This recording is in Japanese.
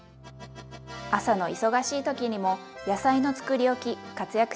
朝の忙しい時にも野菜のつくりおき活躍しますよ。